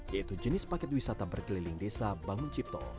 yaitu jenis paket wisata berkeliling desa banguncipto